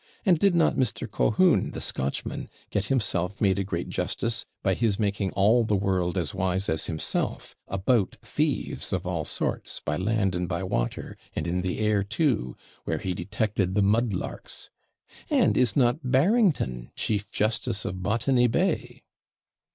And did not Mr. Colquhoun, the Scotchman, get himself made a great justice, by his making all the world as wise as himself, about thieves of all sorts, by land and by water, and in the air too, where he detected the mud larks? And is not Barrington chief justice of Botany Bay?"